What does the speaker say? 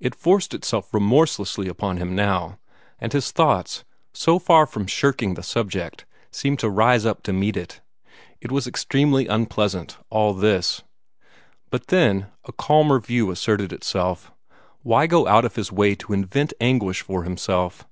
It forced itself remorselessly upon him now; and his thoughts, so far from shirking the subject, seemed to rise up to meet it. It was extremely unpleasant, all this. But then a calmer view asserted itself. Why go out of his way to invent anguish for himself?